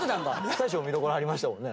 大昇も見どころありましたもんね。